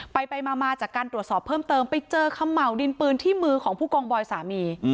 ไปมาจากการตรวจสอบเพิ่มเติมไปเจอเขม่าวดินปืนที่มือของผู้กองบอยสามี